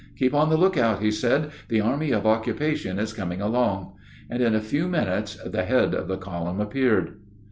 "Keep on the lookout," he said; "the army of occupation is coming along," and in a few minutes the head of the column appeared.